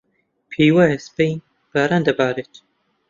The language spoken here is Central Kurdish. پێی وایە سبەی باران دەبارێت.